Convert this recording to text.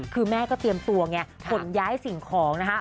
คือแม่ก็เตรียมตัวไงขนย้ายสิ่งของนะคะ